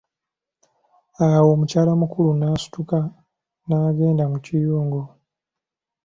Awo mukyala mukulu, n'asituka n'agenda mu kiyungu.